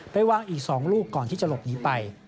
วางอีก๒ลูกก่อนที่จะหลบหนีไป